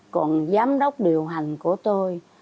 còn giám đốc điều hành của tôi